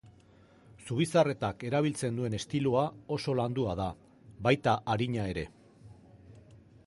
Zubizarretak erabiltzen duen estiloa oso landua da, baita arina ere.